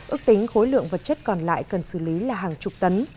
ước tính khối lượng vật chất còn lại cần xử lý là hàng chục tấn